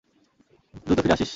দ্রতু ফিরে আসিস।